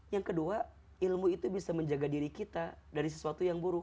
yang kedua ilmu itu bisa menjaga diri kita dari sesuatu yang buruk